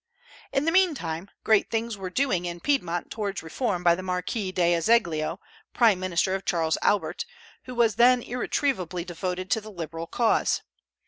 In the meantime great things were doing in Piedmont towards reform by the Marquis D'Azeglio, prime minister of Charles Albert, who was then irretrievably devoted to the liberal cause.